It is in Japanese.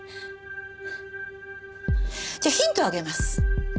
じゃあヒントをあげます。